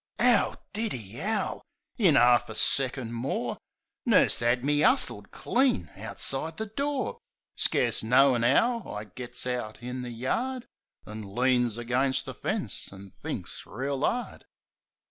'Ow did 'e 'owl! In 'arf a second more Nurse 'ad me 'ustled clean outside the door. Scarce knowin' 'ow, I gits out in the yard, An' leans agen the fence an' thinks reel 'ard.